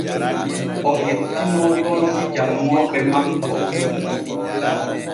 O hettinoo tonti janŋooɓe makko.